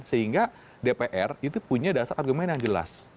sehingga dpr itu punya dasar argumen yang jelas